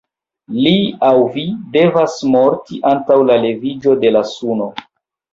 Li aŭ vi devas morti antaŭ la leviĝo de la suno.